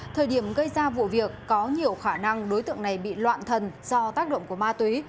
thời điểm gây ra vụ việc có nhiều khả năng đối tượng này bị loạn thần do tác động của ma túy